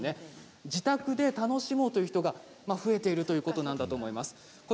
自宅で楽しもうという人が増えているんだと思います。